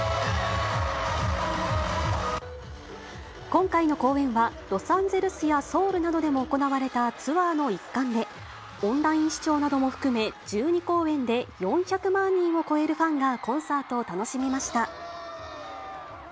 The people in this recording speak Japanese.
今回の公演は、ロサンゼルスやソウルなどでも行われたツアーの一環で、オンライン視聴なども含め、１２公演で４００万人を超えるファンがコンサートを楽しみました。